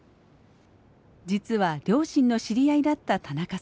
実は両親の知り合いだった田中さん。